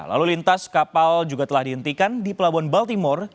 lalu lintas kapal juga telah dihentikan di pelabuhan bal timur